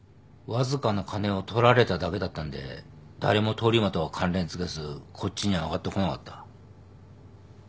わずかな金を取られただけだったんで誰も通り魔とは関連付けずこっちには挙がってこなかった。